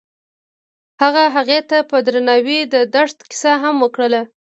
هغه هغې ته په درناوي د دښته کیسه هم وکړه.